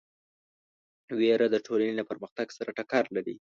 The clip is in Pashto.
وېره د ټولنې له پرمختګ سره ټکر لري.